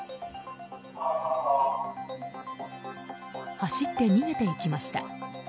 走って逃げていきました。